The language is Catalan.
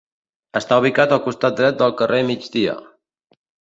Està ubicat al costat dret del carrer Migdia.